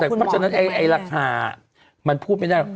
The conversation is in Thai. เพราะฉะนั้นไอ้ราคามันพูดไม่ได้